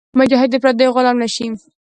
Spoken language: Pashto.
مجاهد د پردیو غلام نهشي.